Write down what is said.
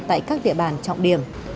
tại các địa bàn trọng điểm